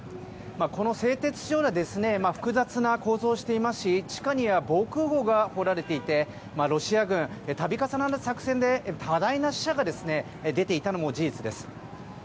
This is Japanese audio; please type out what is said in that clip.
この製鉄所は複雑な構造をしていますし地下には防空壕が掘られていてロシア軍は度重なる作戦で多大な死者が出ていたのも事実です。